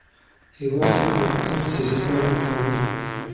هېواد ته باوقاره سیاستوال پکار دي